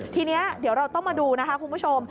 ทีนี้เดี๋ยวเราต้องมาดูนะคะคุณผู้ชม